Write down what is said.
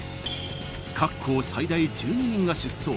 各校最大１２人が出走。